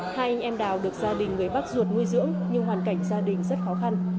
hai anh em đào được gia đình người bác ruột nuôi dưỡng nhưng hoàn cảnh gia đình rất khó khăn